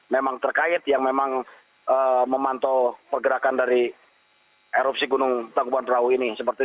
memang terkait yang memang memantau pergerakan dari erupsi gunung tangkuban perahu ini